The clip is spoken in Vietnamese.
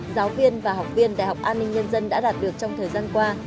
giáo viên và học viên đại học an ninh nhân dân đã đạt được trong thời gian qua